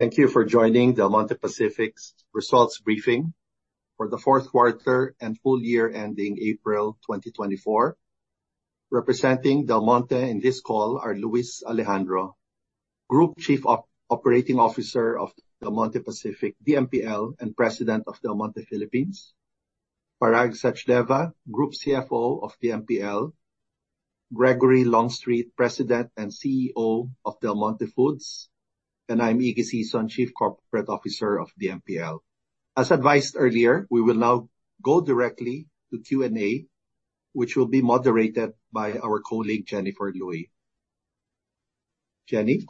Thank you for joining Del Monte Pacific's results briefing for the Q4 and full year ending April 2024. Representing Del Monte in this call are Luis Alejandro, Group Chief Operating Officer of Del Monte Pacific, DMPL, and President of Del Monte, Philippines. Parag Sachdeva, Group CFO of DMPL, Gregory Longstreet, President and CEO of Del Monte Foods, and I'm Iggy Sison, Chief Corporate Officer of DMPL. As advised earlier, we will now go directly to Q&A, which will be moderated by our colleague, Jennifer Luy. Jenny?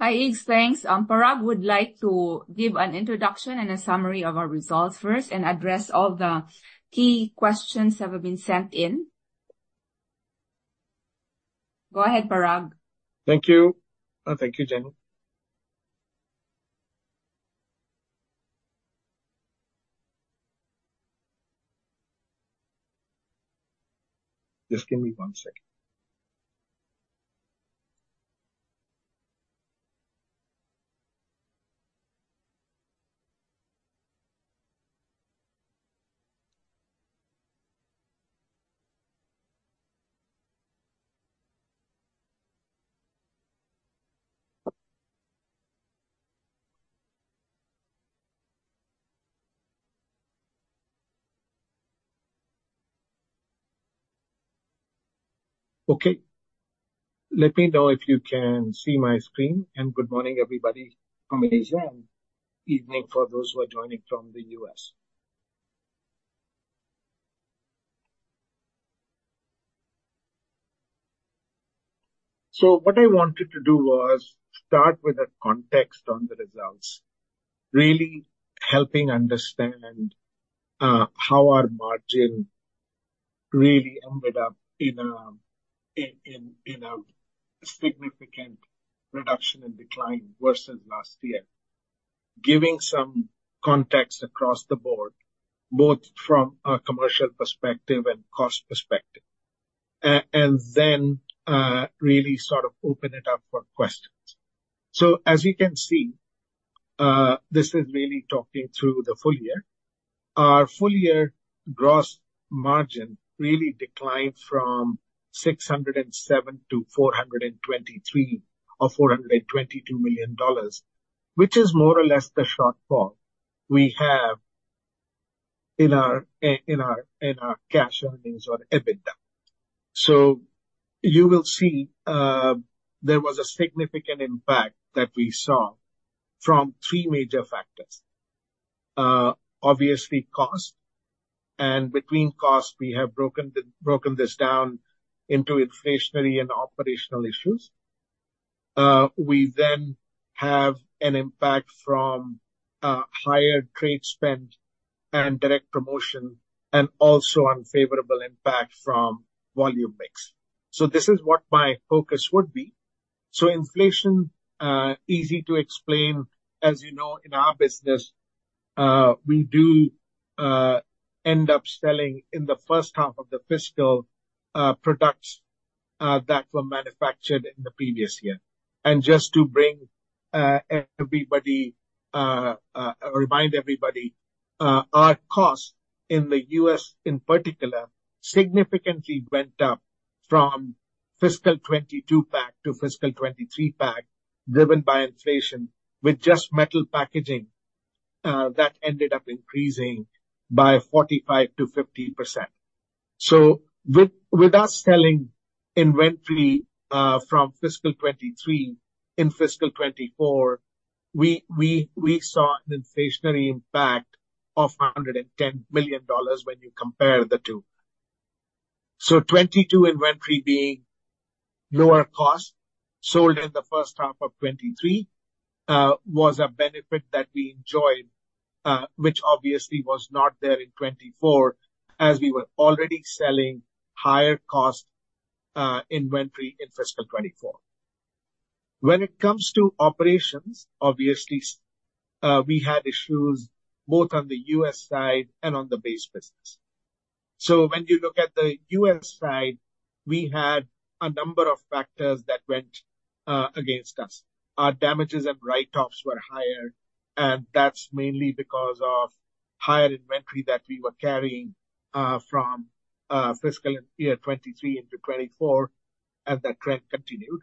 Hi, Iggs, thanks. Parag would like to give an introduction and a summary of our results first and address all the key questions that have been sent in. Go ahead, Parag. Thank you. Thank you, Jenny. Just give me one second. Okay, let me know if you can see my screen, and good morning, everybody, from Asia, evening for those who are joining from the U.S. So what I wanted to do was start with a context on the results, really helping understand, how our margin really ended up in a significant reduction and decline versus last year. Giving some context across the board, both from a commercial perspective and cost perspective, and then, really sort of open it up for questions. So as you can see, this is really talking through the full year. Our full year gross margin really declined from 607 to 423, or $422 million, which is more or less the shortfall we have in our cash earnings or EBITDA. So you will see, there was a significant impact that we saw from three major factors. Obviously, cost, and between costs, we have broken this down into inflationary and operational issues. We then have an impact from higher trade spend and direct promotion, and also unfavorable impact from volume mix. So this is what my focus would be. So inflation, easy to explain. As you know, in our business, we do end up selling in the first half of the fiscal, products, that were manufactured in the previous year. And just to remind everybody, our costs in the U.S., in particular, significantly went up from fiscal 2022 pack to fiscal 2023 pack, driven by inflation, with just metal packaging that ended up increasing by 45%-50%. So with us selling inventory from fiscal 2023 in fiscal 2024, we saw an inflationary impact of $110 million when you compare the two. So 2022 inventory being lower cost, sold in the first half of 2023, was a benefit that we enjoyed, which obviously was not there in 2024, as we were already selling higher cost inventory in fiscal 2024. When it comes to operations, obviously, we had issues both on the U.S. side and on the base business. So when you look at the U.S. side, we had a number of factors that went against us. Our damages and write-offs were higher, and that's mainly because of higher inventory that we were carrying from fiscal year 2023 into 2024, and that trend continued.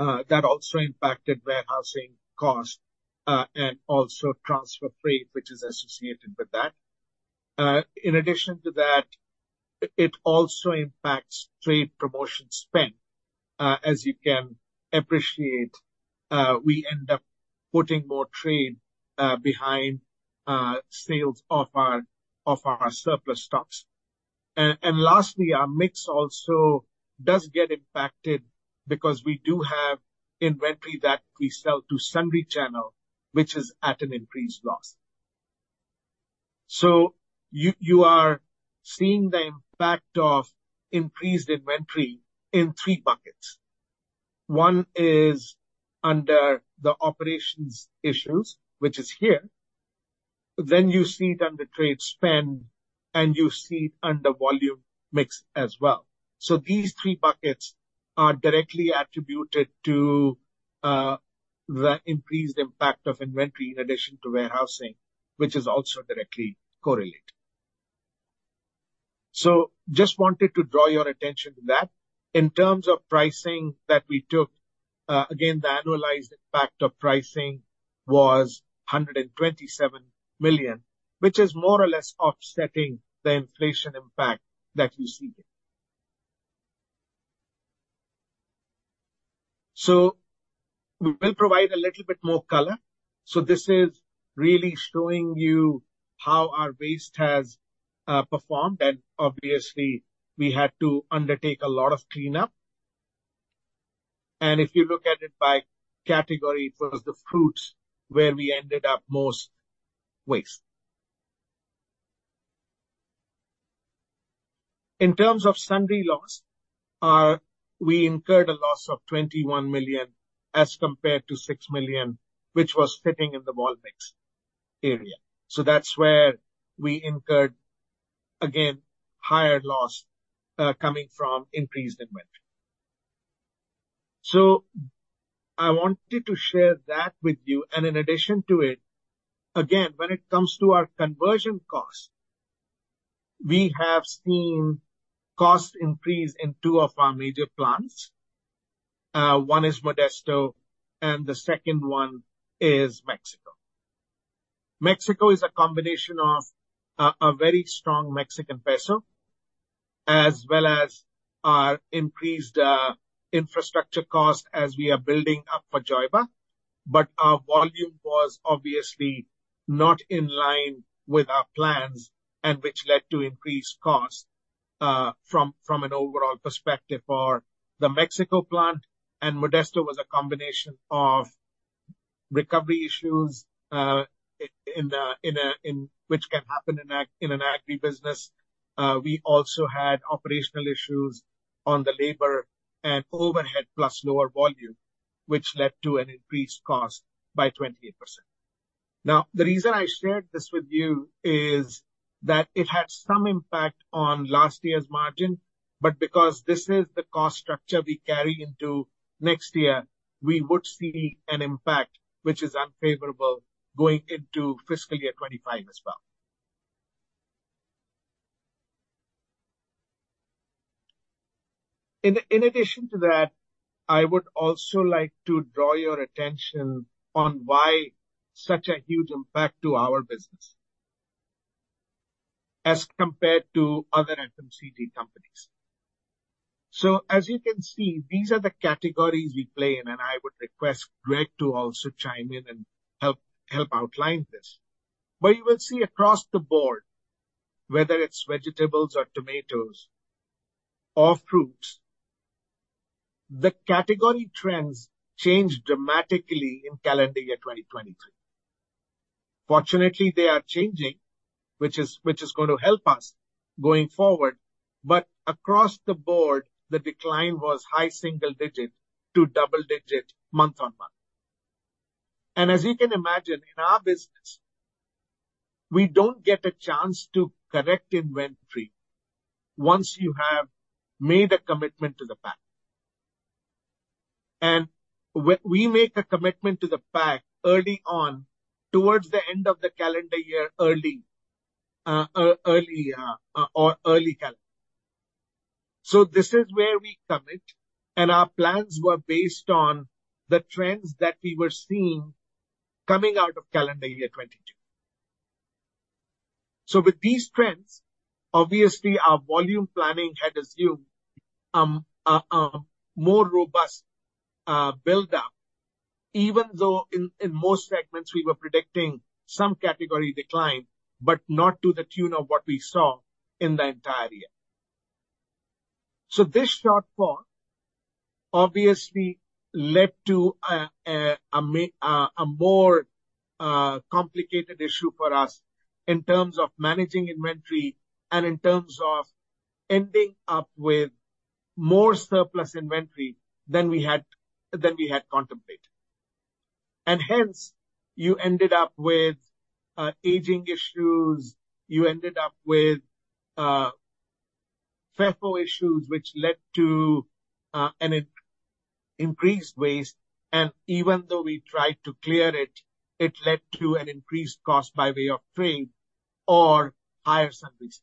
That also impacted warehousing costs and also transfer freight, which is associated with that. In addition to that, it also impacts trade promotion spend. As you can appreciate, we end up putting more trade behind sales of our surplus stocks. And lastly, our mix also does get impacted because we do have inventory that we sell to sundry channel, which is at an increased loss. So you are seeing the impact of increased inventory in three buckets. One is under the operations issues, which is here. Then you see it under trade spend, and you see it under volume mix as well. So these three buckets are directly attributed to, the increased impact of inventory in addition to warehousing, which is also directly correlated. So just wanted to draw your attention to that. In terms of pricing that we took, again, the annualized impact of pricing was $127 million, which is more or less offsetting the inflation impact that you see here. So we will provide a little bit more color. So this is really showing you how our waste has, performed, and obviously we had to undertake a lot of cleanup. And if you look at it by category, it was the fruits where we ended up most waste. In terms of sundry loss, we incurred a loss of $21 million as compared to $6 million, which was fitting in the vol mix area. So that's where we incurred, again, higher loss, coming from increased inventory. So I wanted to share that with you, and in addition to it, again, when it comes to our conversion costs, we have seen costs increase in two of our major plants. One is Modesto, and the second one is Mexico. Mexico is a combination of a very strong Mexican peso, as well as our increased infrastructure cost as we are building up for Joyba. But our volume was obviously not in line with our plans and which led to increased costs, from an overall perspective for the Mexico plant. Modesto was a combination of recovery issues which can happen in ag, in an agribusiness. We also had operational issues on the labor and overhead, plus lower volume, which led to an increased cost by 28%. Now, the reason I shared this with you is that it had some impact on last year's margin, but because this is the cost structure we carry into next year, we would see an impact which is unfavorable going into fiscal year 2025 as well. In addition to that, I would also like to draw your attention on why such a huge impact to our business as compared to other FMCG companies. So as you can see, these are the categories we play in, and I would request Greg to also chime in and help outline this. You will see across the board, whether it's vegetables or tomatoes or fruits, the category trends changed dramatically in calendar year 2023. Fortunately, they are changing, which is going to help us going forward. Across the board, the decline was high single-digit to double-digit, month-on-month. As you can imagine, in our business, we don't get a chance to correct inventory once you have made a commitment to the pack. We make a commitment to the pack early on, towards the end of the calendar year or early calendar. This is where we commit, and our plans were based on the trends that we were seeing coming out of calendar year 2022. So with these trends, obviously our volume planning had assumed a more robust build up, even though in most segments we were predicting some category decline, but not to the tune of what we saw in the entire year. So this shortfall obviously led to a more complicated issue for us in terms of managing inventory and in terms of ending up with more surplus inventory than we had contemplated. And hence, you ended up with aging issues, you ended up with FIFO issues, which led to an increased waste. And even though we tried to clear it, it led to an increased cost by way of trade or higher sundry costs.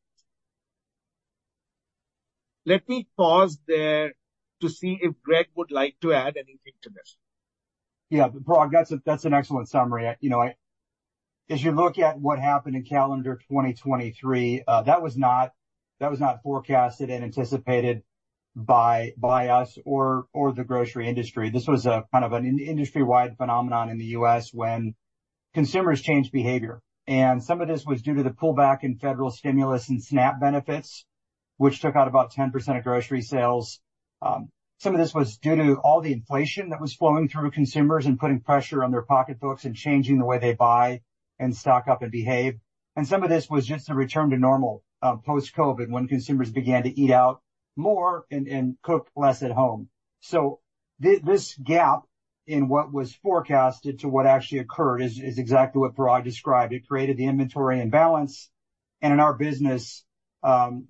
Let me pause there to see if Greg would like to add anything to this. Yeah, Parag, that's a, that's an excellent summary. You know, as you look at what happened in calendar 2023, that was not, that was not forecasted and anticipated by, by us or, or the grocery industry. This was a kind of an industry-wide phenomenon in the U.S. when consumers changed behavior, and some of this was due to the pullback in federal stimulus and SNAP benefits, which took out about 10% of grocery sales. Some of this was due to all the inflation that was flowing through consumers and putting pressure on their pocketbooks and changing the way they buy and stock up and behave. And some of this was just a return to normal, post-Covid, when consumers began to eat out more and, and cook less at home. So this gap. In what was forecasted to what actually occurred is exactly what Parag described. It created the inventory imbalance, and in our business,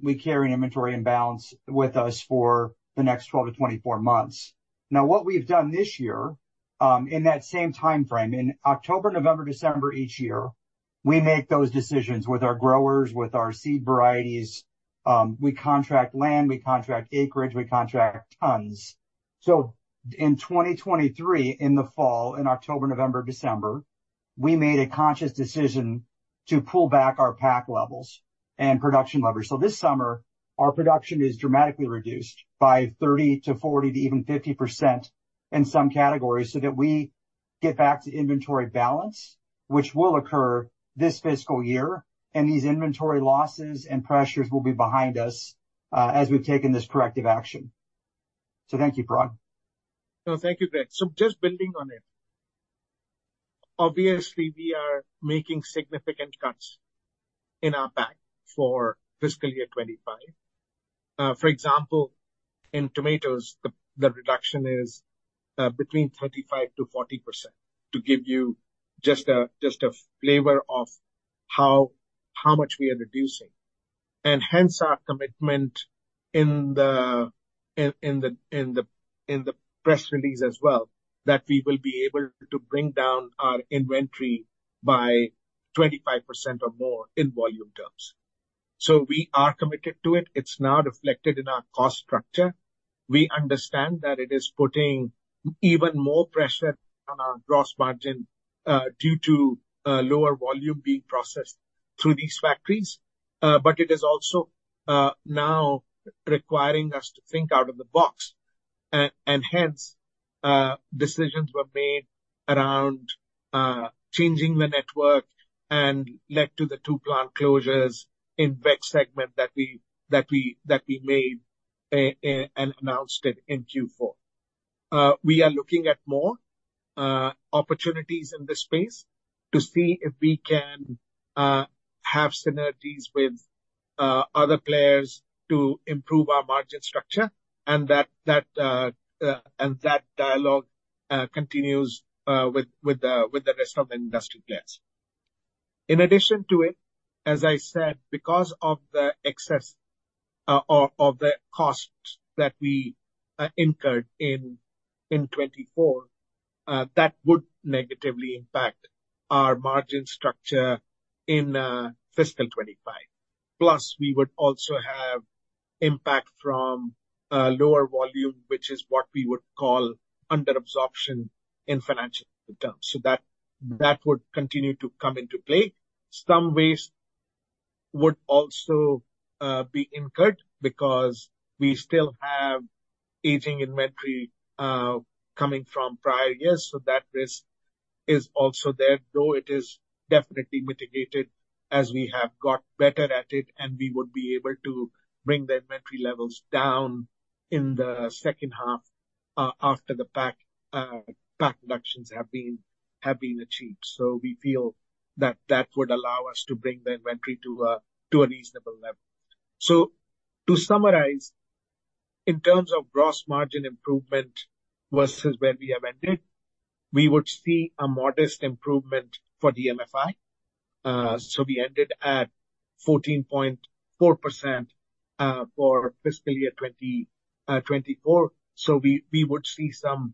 we carry an inventory imbalance with us for the next 12-24 months. Now, what we've done this year, in that same time frame, in October, November, December each year, we make those decisions with our growers, with our seed varieties. We contract land, we contract acreage, we contract tons. So in 2023, in the fall, in October, November, December, we made a conscious decision to pull back our pack levels and production levels. So this summer, our production is dramatically reduced by 30%-40% to even 50% in some categories, so that we get back to inventory balance, which will occur this fiscal year, and these inventory losses and pressures will be behind us, as we've taken this corrective action. So thank you, Parag. No, thank you, Greg. So just building on it. Obviously, we are making significant cuts in our pack for fiscal year 2025. For example, in tomatoes, the reduction is between 35%-40%, to give you just a flavor of how much we are reducing, and hence our commitment in the press release as well, that we will be able to bring down our inventory by 25% or more in volume terms. So we are committed to it. It's now reflected in our cost structure. We understand that it is putting even more pressure on our gross margin due to lower volume being processed through these factories. But it is also now requiring us to think out of the box, and hence decisions were made around changing the network and led to the two plant closures in veg segment that we made and announced it in Q4. We are looking at more opportunities in this space to see if we can have synergies with other players to improve our margin structure, and that dialogue continues with the rest of the industry players. In addition to it, as I said, because of the excess of the costs that we incurred in 2024 that would negatively impact our margin structure in fiscal 2025. Plus, we would also have impact from lower volume, which is what we would call under-absorption in financial terms. So that would continue to come into play. Some costs would also be incurred because we still have aging inventory coming from prior years, so that risk is also there, though it is definitely mitigated as we have got better at it, and we would be able to bring the inventory levels down in the second half after the pack reductions have been achieved. So we feel that that would allow us to bring the inventory to a reasonable level. So to summarize, in terms of gross margin improvement versus where we have ended, we would see a modest improvement for DMFI. So we ended at 14.4% for fiscal year 2024. So we would see some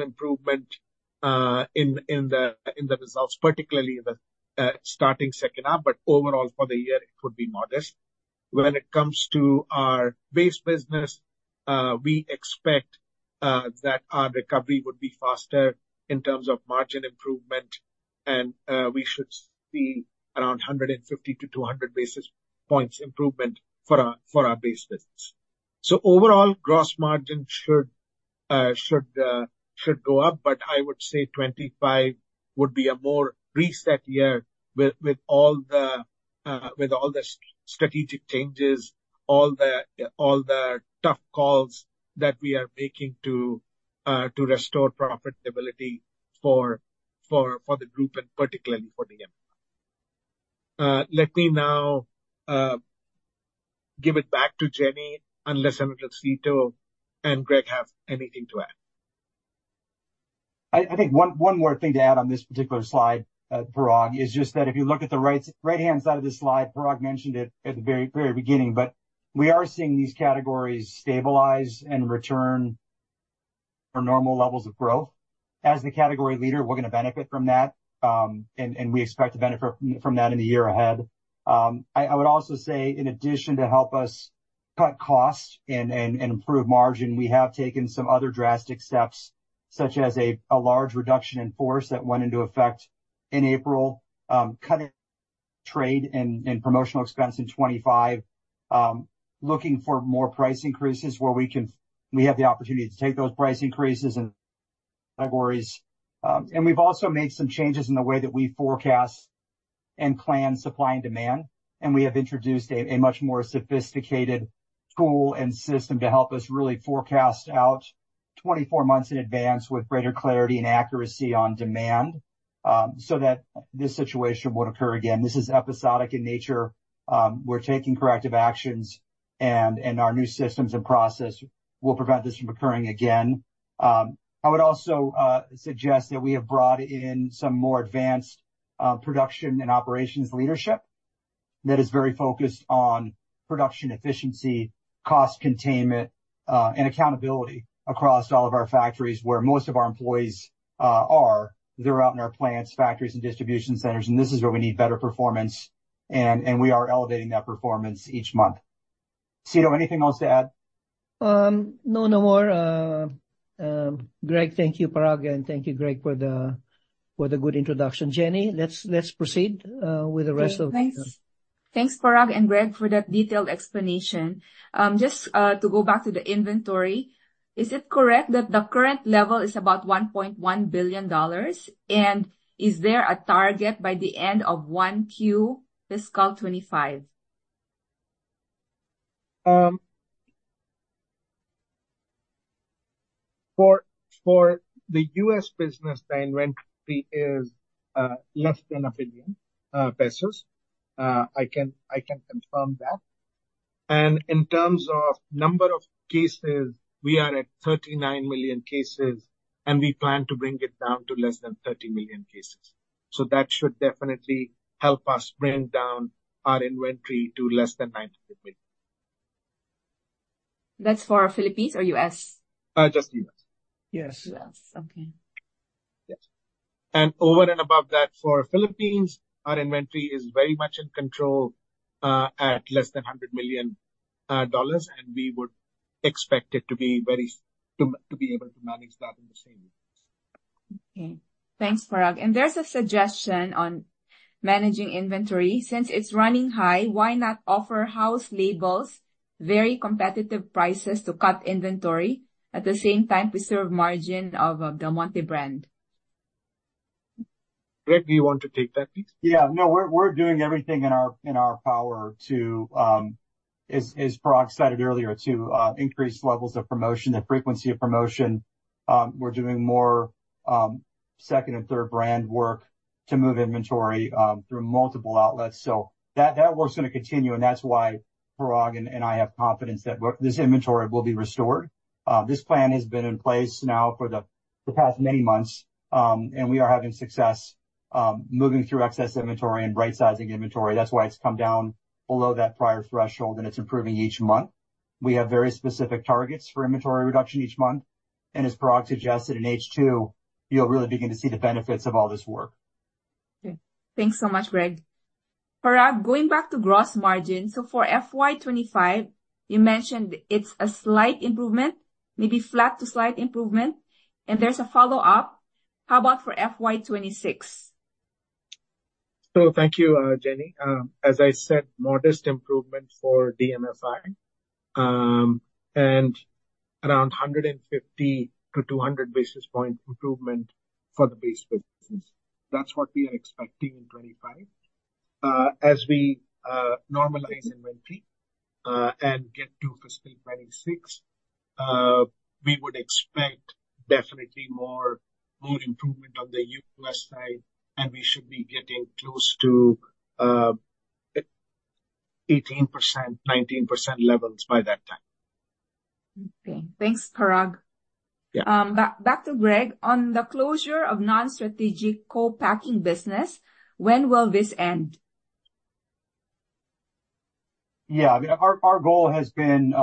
improvement in the results, particularly in the starting second half, but overall for the year it would be modest. When it comes to our base business, we expect that our recovery would be faster in terms of margin improvement, and we should see around 150 to 200 basis points improvement for our base business. So overall, gross margin should go up, but I would say 2025 would be a more reset year with all the strategic changes, all the tough calls that we are making to restore profitability for the group and particularly for DMFI. Let me now give it back to Jenny, unless Amit, Sito, and Greg have anything to add. I think one more thing to add on this particular slide, Parag, is just that if you look at the right-hand side of this slide, Parag mentioned it at the very, very beginning, but we are seeing these categories stabilize and return to normal levels of growth. As the category leader, we're gonna benefit from that, and we expect to benefit from that in the year ahead. I would also say in addition to help us cut costs and improve margin, we have taken some other drastic steps, such as a large reduction in force that went into effect in April, cutting trade and promotional expense in 2025, looking for more price increases where we can, we have the opportunity to take those price increases in categories. And we've also made some changes in the way that we forecast and plan supply and demand, and we have introduced a much more sophisticated tool and system to help us really forecast out 24 months in advance with greater clarity and accuracy on demand, so that this situation won't occur again. This is episodic in nature. We're taking corrective actions, and our new systems and process will prevent this from occurring again. I would also suggest that we have brought in some more advanced production and operations leadership, that is very focused on production efficiency, cost containment, and accountability across all of our factories, where most of our employees are. They're out in our plants, factories, and distribution centers, and this is where we need better performance, and we are elevating that performance each month. Sito, anything else to add? No, no more. Greg, thank you, Parag, and thank you, Greg, for the good introduction. Jenny, let's proceed with the rest of. Thanks. Thanks, Parag and Greg, for that detailed explanation. Just, to go back to the inventory, is it correct that the current level is about $1.1 billion? And is there a target by the end of 1Q, fiscal 2025? For the U.S. business, the inventory is less than 1 billion pesos. I can confirm that. In terms of number of cases, we are at 39 million cases, and we plan to bring it down to less than 30 million cases. So that should definitely help us bring down our inventory to less than 90 million. That's for Philippines or U.S? Just U.S. Yes. Okay. Yes. And over and above that, for Philippines, our inventory is very much in control at less than $100 million, and we would expect it to be very able to manage that in the same ways. Okay. Thanks, Parag. There's a suggestion on managing inventory. Since it's running high, why not offer house labels, very competitive prices to cut inventory, at the same time preserve margin of the Del Monte brand? Greg, do you want to take that, please? Yeah. No, we're doing everything in our power to, as Parag stated earlier, to increase levels of promotion, the frequency of promotion. We're doing more second and third brand work to move inventory through multiple outlets. So that work's gonna continue, and that's why Parag and I have confidence that this inventory will be restored. This plan has been in place now for the past many months, and we are having success moving through excess inventory and rightsizing inventory. That's why it's come down below that prior threshold, and it's improving each month. We have very specific targets for inventory reduction each month, and as Parag suggested, in H2, you'll really begin to see the benefits of all this work. Okay. Thanks so much, Greg. Parag, going back to gross margin, so for FY 25, you mentioned it's a slight improvement, maybe flat to slight improvement. There's a follow-up: How about for FY 26? So thank you, Jenny. As I said, modest improvement for DMFI, and around 150-200 basis point improvement for the base business. That's what we are expecting in 2025. As we normalize inventory, and get to fiscal 2026, we would expect definitely more, more improvement on the U.S. side, and we should be getting close to 18%-19% levels by that time. Okay. Thanks, Parag. Yeah. Back to Greg. On the closure of non-strategic co-packing business, when will this end? Yeah. I mean, our goal has been,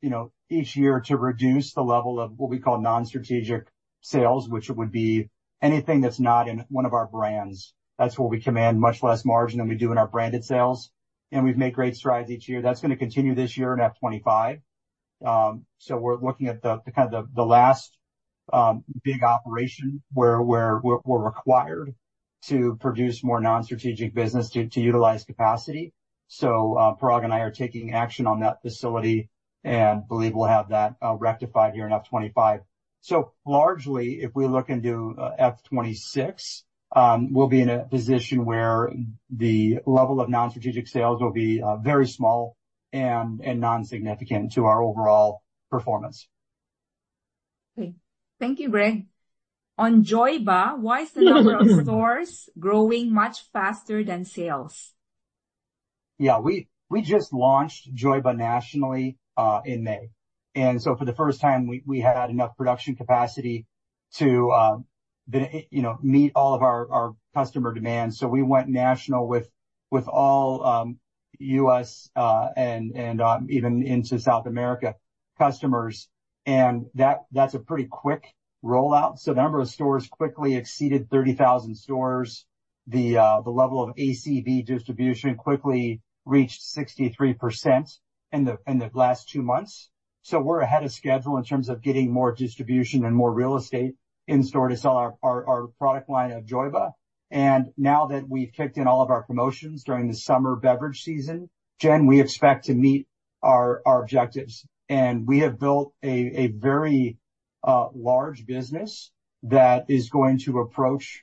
you know, each year to reduce the level of what we call non-strategic sales, which would be anything that's not in one of our brands. That's where we command much less margin than we do in our branded sales, and we've made great strides each year. That's gonna continue this year in F 25. So we're looking at the kind of the last big operation where we're required to produce more non-strategic business to utilize capacity. So, Parag and I are taking action on that facility and believe we'll have that rectified here in F 25. So largely, if we look into F 26, we'll be in a position where the level of non-strategic sales will be very small and non-significant to our overall performance. Okay. Thank you, Greg. On Joyba, why is the number of stores growing much faster than sales? Yeah, we just launched Joyba nationally in May, and so for the first time we had enough production capacity to, you know, meet all of our customer demands. So we went national with all U.S. and even into South America customers, and that's a pretty quick rollout. So the number of stores quickly exceeded 30,000 stores. The level of ACV distribution quickly reached 63% in the last two months. So we're ahead of schedule in terms of getting more distribution and more real estate in store to sell our product line of Joyba. And now that we've kicked in all of our promotions during the summer beverage season, Jen, we expect to meet our objectives. We have built a very large business that is going to approach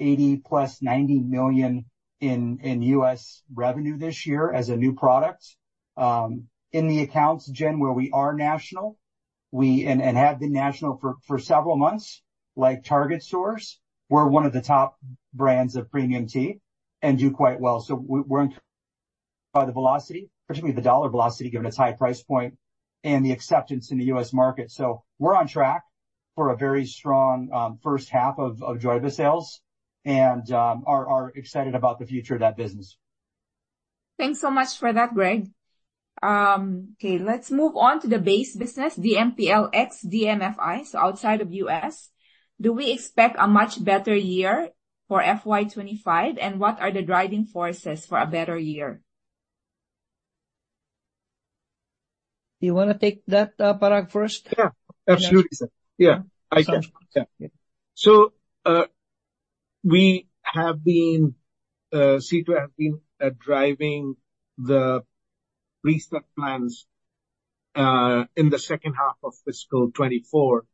$170 million in U.S revenue this year as a new product. In the accounts, Jen, where we are national, we and have been national for several months, like Target stores, we're one of the top brands of premium tea and do quite well. So we're by the velocity, particularly the dollar velocity, given its high price point and the acceptance in the U.S market. So we're on track for a very strong first half of Joyba sales and are excited about the future of that business. Thanks so much for that, Greg. Okay, let's move on to the base business, DMPL ex, DMFI, so outside of U.S., do we expect a much better year for FY 25? And what are the driving forces for a better year? Do you wanna take that, Parag, first? Yeah, absolutely, sir. Yeah, I can. Yeah. So, we seem to have been driving the reset plans in the second half of fiscal 2024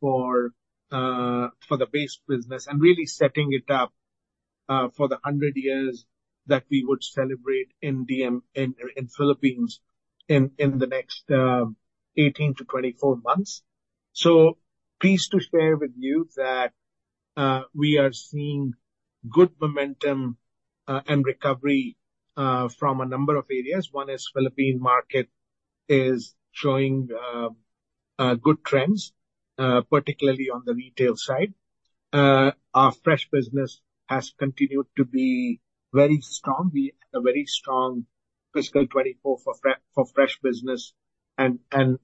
for the base business and really setting it up for the 100 years that we would celebrate in DM in the Philippines in the next 18-24 months. So pleased to share with you that we are seeing good momentum and recovery from a number of areas. One is Philippine market is showing good trends, particularly on the retail side. Our fresh business has continued to be very strong. We had a very strong fiscal 2024 for fresh business, and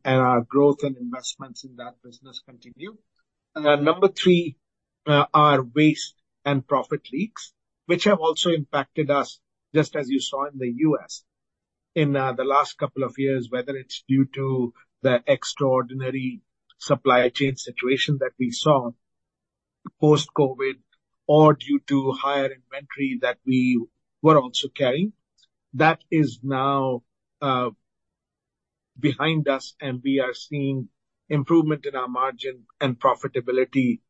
our growth and investments in that business continue. Number three are waste and profit leaks, which have also impacted us, just as you saw in the U.S. in the last couple of years, whether it's due to the extraordinary supply chain situation that we saw post-COVID or due to higher inventory that we were also carrying. That is now behind us, and we are seeing improvement in our margin and profitability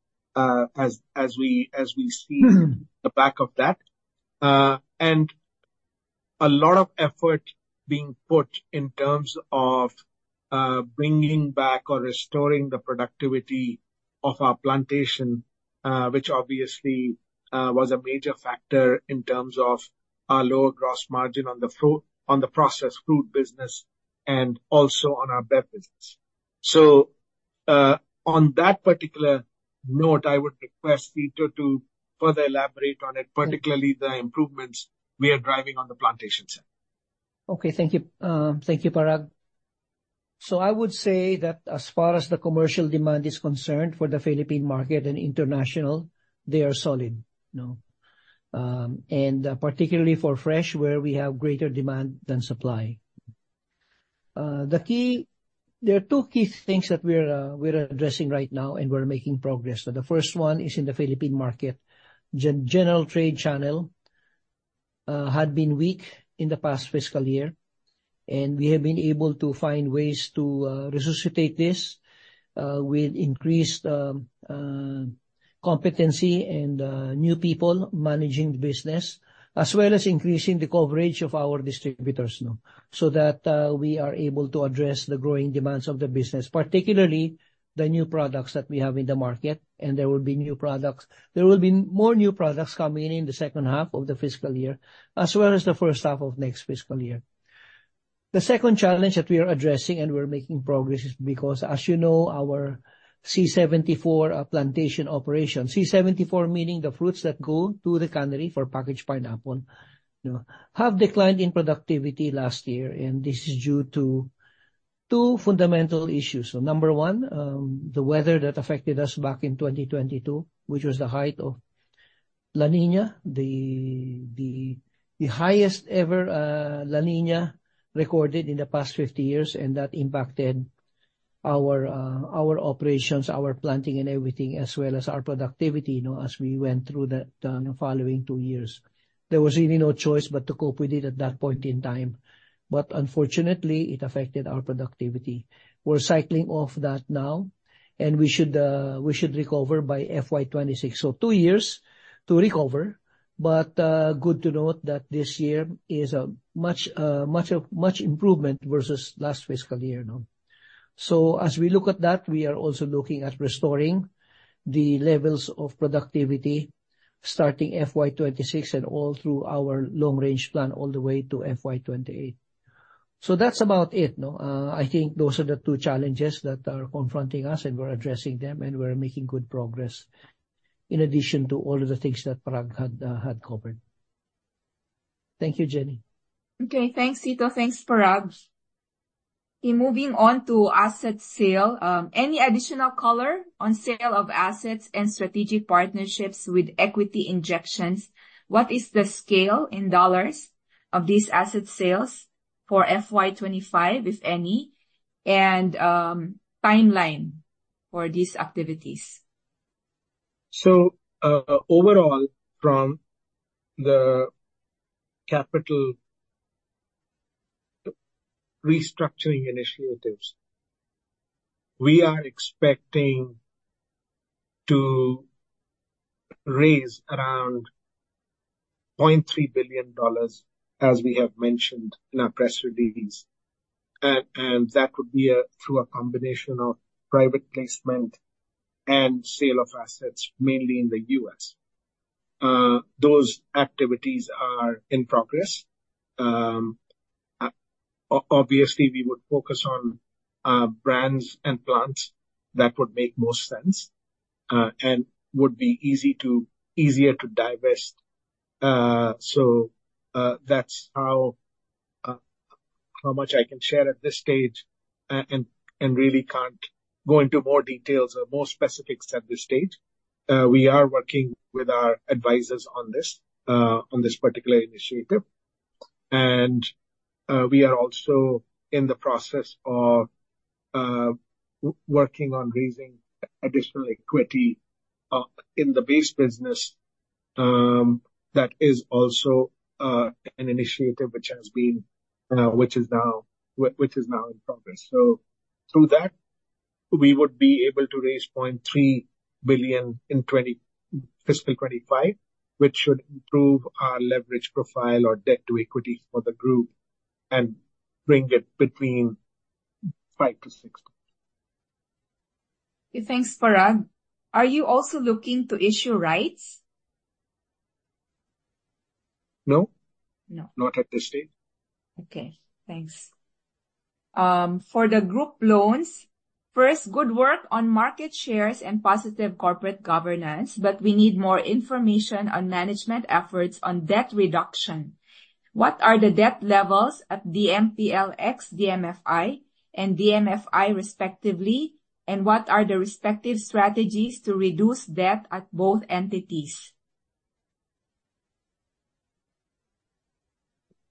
as we see the back of that. A lot of effort being put in terms of bringing back or restoring the productivity of our plantation, which obviously was a major factor in terms of our lower gross margin on the processed fruit business and also on our Beverage business. On that particular note, I would request Sito to further elaborate on it, particularly the improvements we are driving on the plantation side. Okay, thank you. Thank you, Parag. So I would say that as far as the commercial demand is concerned for the Philippine market and international, they are solid, you know? And particularly for fresh, where we have greater demand than supply. The key... There are two key things that we're addressing right now, and we're making progress. So the first one is in the Philippine market. General trade channel had been weak in the past fiscal year, and we have been able to find ways to resuscitate this with increased competency and new people managing the business, as well as increasing the coverage of our distributors, no? So that we are able to address the growing demands of the business, particularly the new products that we have in the market, and there will be new products. There will be more new products coming in the second half of the fiscal year, as well as the first half of next fiscal year. The second challenge that we are addressing and we're making progress is because, as you know, our C-74 plantation operation, C-74, meaning the fruits that go to the cannery for packaged pineapple, you know, have declined in productivity last year, and this is due to two fundamental issues. So number one, the weather that affected us back in 2022, which was the height of La Niña, the highest ever La Niña recorded in the past 50 years, and that impacted our operations, our planting and everything, as well as our productivity, you know, as we went through the following two years. There was really no choice but to cope with it at that point in time. But unfortunately, it affected our productivity. We're cycling off that now, and we should, we should recover by FY 2026, so 2 years to recover. But, good to note that this year is a much, much of- much improvement versus last fiscal year, no? So as we look at that, we are also looking at restoring the levels of productivity, starting FY 2026 and all through our long range plan all the way to FY 2028. So that's about it, no? I think those are the two challenges that are confronting us, and we're addressing them, and we're making good progress in addition to all of the things that Parag had, had covered. Thank you, Jenny. Okay. Thanks, Vito. Thanks, Parag. In moving on to asset sale, any additional color on sale of assets and strategic partnerships with equity injections, what is the scale in $ of these asset sales for FY 25, if any, and timeline for these activities? So, overall, from the capital restructuring initiatives, we are expecting to raise around $0.3 billion, as we have mentioned in our press release. And that would be through a combination of private placement and sale of assets, mainly in the U.S. Those activities are in progress. Obviously, we would focus on brands and plants that would make more sense and would be easier to divest. So, that's how much I can share at this stage, and really can't go into more details or more specifics at this stage. We are working with our advisors on this particular initiative. And we are also in the process of working on raising additional equity in the base business. That is also an initiative which has been, which is now in progress. So through that, we would be able to raise $0.3 billion in fiscal 2025, which should improve our leverage profile or debt to equity for the group and bring it between five to six. Thanks, Parag. Are you also looking to issue rights? No. No. Not at this stage. Okay, thanks. For the group loans, first, good work on market shares and positive corporate governance, but we need more information on management efforts on debt reduction. What are the debt levels at DMPLX, DMFI, and DMFI respectively, and what are the respective strategies to reduce debt at both entities?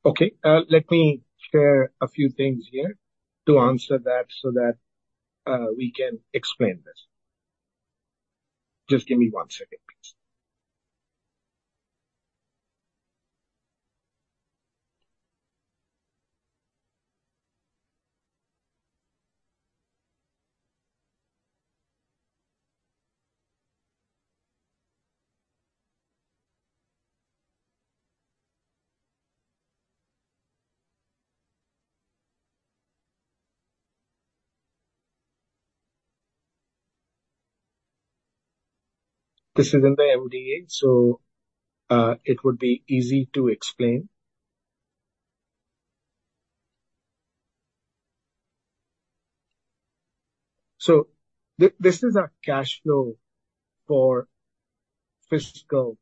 Okay, let me share a few things here to answer that so that, we can explain this. Just give me one second, please. This is in the MDA, so, it would be easy to explain. So this is our cash flow for fiscal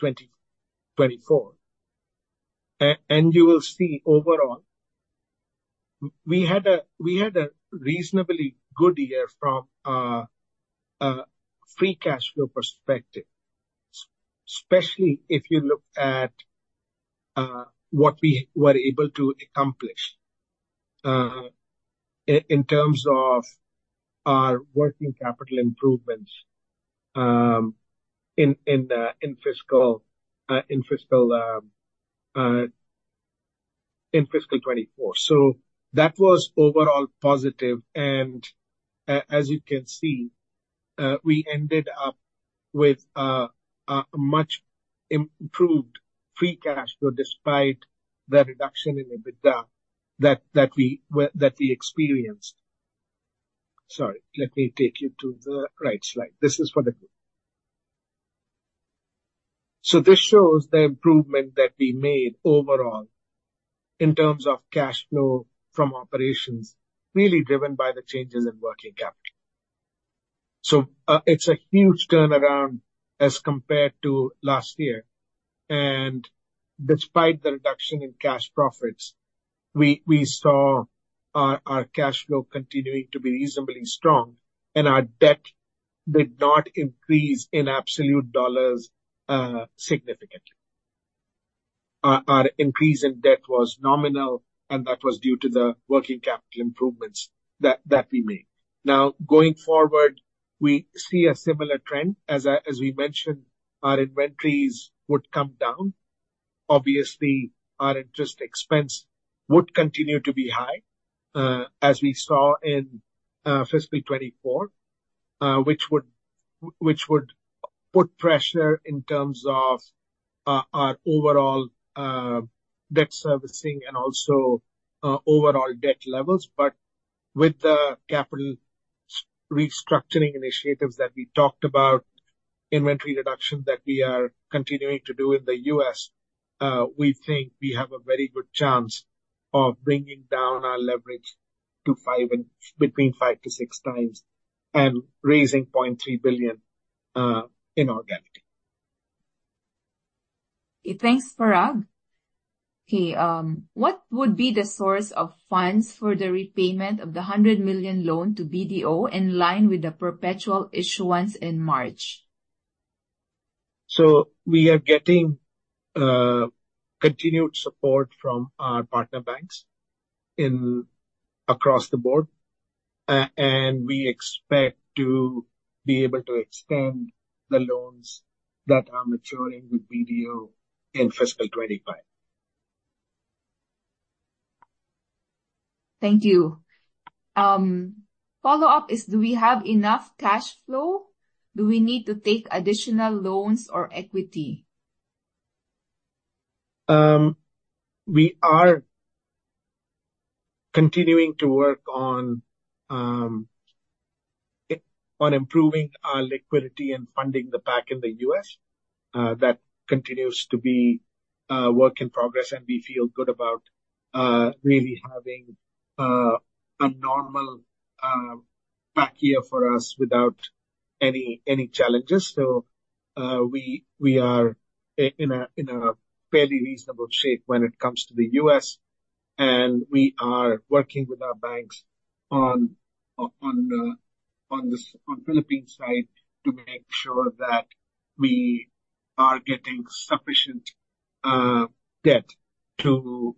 2024. And you will see overall, we had a, we had a reasonably good year from a, a free cash flow perspective, especially if you look at, what we were able to accomplish, in terms of our working capital improvements, in, in the... In fiscal, in fiscal, in fiscal 2024. So that was overall positive, and as you can see, we ended up with a, a much improved free cash flow, despite the reduction in EBITDA, that, that we experienced. Sorry, let me take you to the right slide. This is for the group. So this shows the improvement that we made overall in terms of cash flow from operations, really driven by the changes in working capital. So, it's a huge turnaround as compared to last year, and despite the reduction in cash profits, we saw our cash flow continuing to be reasonably strong, and our debt did not increase in absolute dollars significantly. Our increase in debt was nominal, and that was due to the working capital improvements that we made. Now, going forward, we see a similar trend. As we mentioned, our inventories would come down. Obviously, our interest expense would continue to be high, as we saw in fiscal 2024, which would put pressure in terms of our overall debt servicing and also overall debt levels. But with the capital restructuring initiatives that we talked about, inventory reduction that we are continuing to do in the U.S., we think we have a very good chance of bringing down our leverage to 5 and between 5-6 times and raising $0.3 billion in our debt. Thanks, Parag. Okay, what would be the source of funds for the repayment of the 100 million loan to BDO in line with the perpetual issuance in March? So we are getting continued support from our partner banks in across the board, and we expect to be able to extend the loans that are maturing with BDO in fiscal 2025. ... Thank you. Follow-up is, do we have enough cash flow? Do we need to take additional loans or equity? We are continuing to work on improving our liquidity and funding the plant in the U.S. That continues to be a work in progress, and we feel good about really having a normal back year for us without any challenges. We are in a fairly reasonable shape when it comes to the U.S, and we are working with our banks on the Philippines side to make sure that we are getting sufficient debt to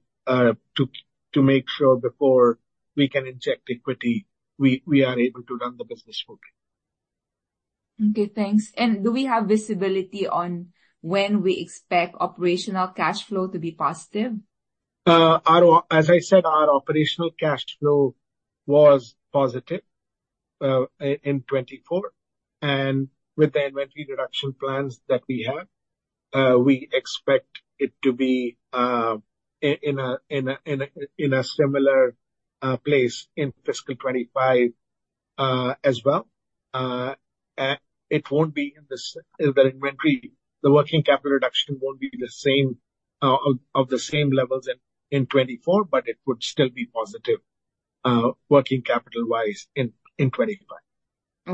make sure before we can inject equity, we are able to run the business okay. Okay, thanks. Do we have visibility on when we expect operational cash flow to be positive? As I said, our operational cash flow was positive in 2024. And with the inventory reduction plans that we have, we expect it to be in a similar place in fiscal 2025, as well. And it won't be in the same. The working capital reduction won't be of the same levels in 2024, but it would still be positive working capital-wise in 2025.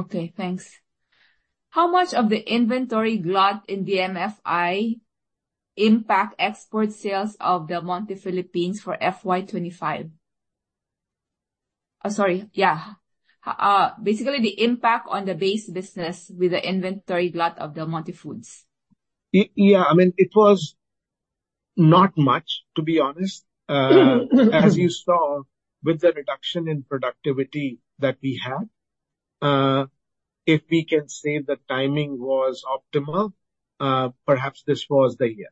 Okay, thanks. How much of the inventory glut in DMFI impact export sales of Del Monte, Philippines, for FY 2025? Sorry. Yeah. Basically, the impact on the base business with the inventory glut of Del Monte Foods. Yeah, I mean, it was not much, to be honest. As you saw, with the reduction in productivity that we had, if we can say the timing was optimal, perhaps this was the year.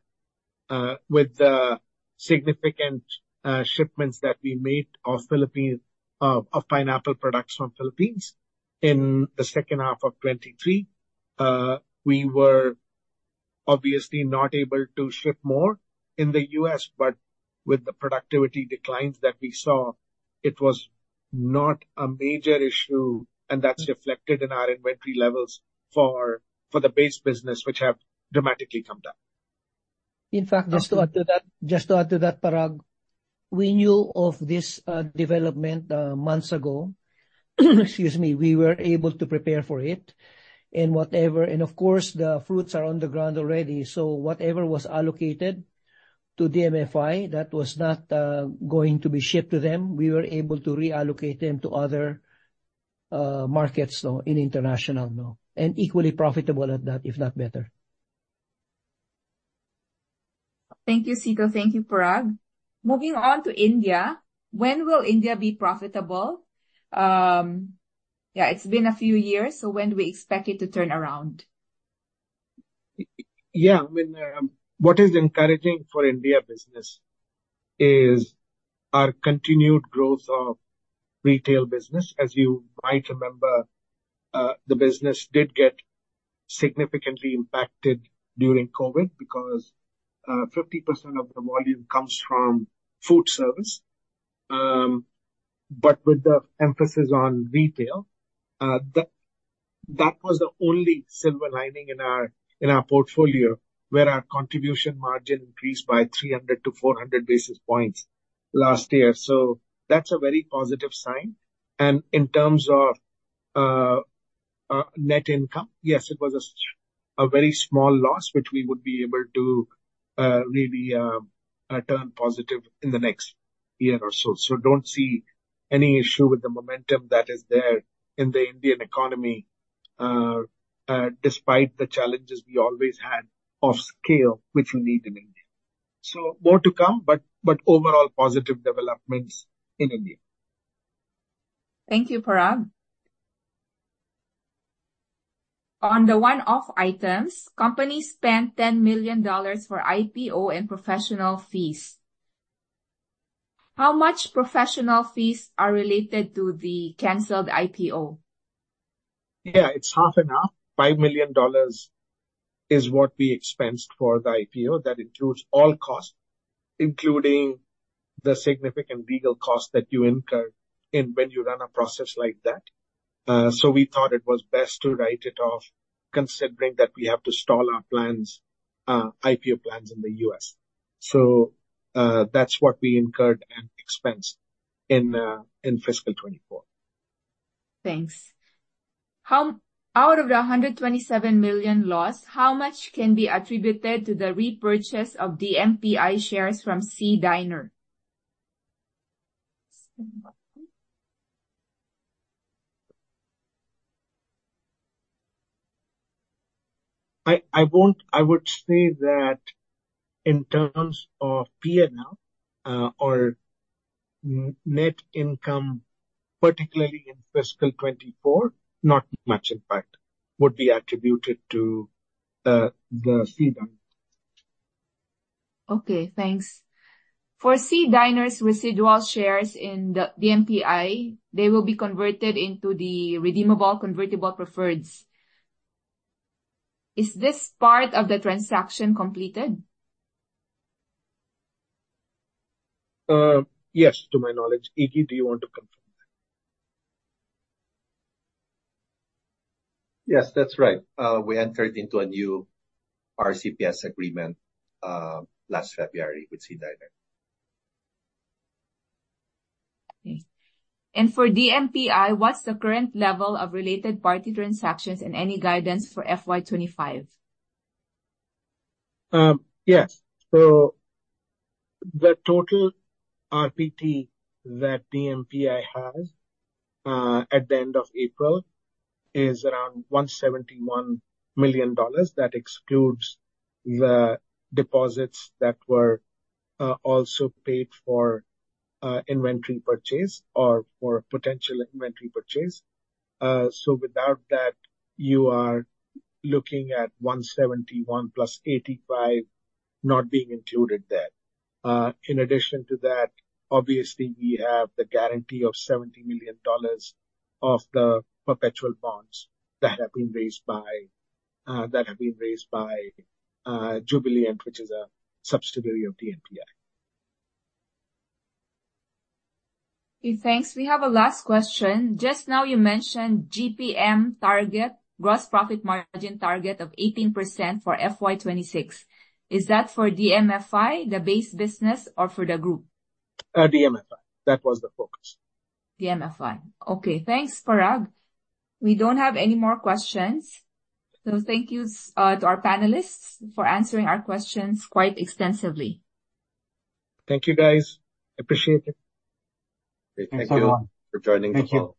With the significant shipments that we made of pineapple products from Philippines in the second half of 2023, we were obviously not able to ship more in the U.S., but with the productivity declines that we saw, it was not a major issue, and that's reflected in our inventory levels for the base business, which have dramatically come down. In fact, just to add to that, just to add to that, Parag, we knew of this development months ago. Excuse me. We were able to prepare for it and whatever... And of course, the fruits are on the ground already. So whatever was allocated to DMFI, that was not going to be shipped to them. We were able to reallocate them to other markets, so in international, no, and equally profitable at that, if not better. Thank you, Sito. Thank you, Parag. Moving on to India. When will India be profitable? Yeah, it's been a few years, so when do we expect it to turn around? Yeah, I mean, what is encouraging for India business is our continued growth of retail business. As you might remember, the business did get significantly impacted during COVID, because fifty percent of the volume comes from food service. But with the emphasis on retail, that was the only silver lining in our portfolio, where our contribution margin increased by 300-400 basis points last year. So that's a very positive sign. And in terms of net income, yes, it was a very small loss, which we would be able to really turn positive in the next year or so. So don't see any issue with the momentum that is there in the Indian economy, despite the challenges we always had of scale, which we need in India. More to come, but, but overall, positive developments in India. Thank you, Parag. On the one-off items, companies spent $10 million for IPO and professional fees. How much professional fees are related to the canceled IPO? Yeah, it's half an hour. $5 million is what we expensed for the IPO. That includes all costs, including the significant legal costs that you incur in when you run a process like that. So we thought it was best to write it off, considering that we have to stall our plans, IPO plans in the U.S. So, that's what we incurred and expensed in, in fiscal 2024. Thanks. How out of the $127 million loss, how much can be attributed to the repurchase of DMPI shares from SEA Diner? I would say that in terms of PNL, or net income, particularly in fiscal 2024, not much impact would be attributed to the SEA Diner.... Okay, thanks. For SEA Diner's residual shares in the DMPI, they will be converted into the redeemable convertible preferreds. Is this part of the transaction completed? Yes, to my knowledge. Iggy, do you want to confirm that? Yes, that's right. We entered into a new RCPS agreement last February with Seadiner. Okay. And for DMPI, what's the current level of related party transactions and any guidance for FY 25? Yes. So the total RPT that DMPI has at the end of April is around $171 million. That excludes the deposits that were also paid for inventory purchase or for potential inventory purchase. So without that, you are looking at $171 million plus $85 million not being included there. In addition to that, obviously, we have the guarantee of $70 million of the perpetual bonds that have been raised by Jubilant, which is a subsidiary of DMPI. Okay, thanks. We have a last question. Just now, you mentioned GPM target, gross profit margin target of 18% for FY 2026. Is that for DMFI, the base business or for the group? DMFI. That was the focus. DMFI. Okay, thanks, Parag. We don't have any more questions. So thank yous to our panelists for answering our questions quite extensively. Thank you, guys. Appreciate it. Great. Thank you Thanks, everyone. For joining the call.